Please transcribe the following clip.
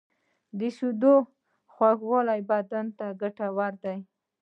د شیدو خواږه د بدن لپاره ګټور دي.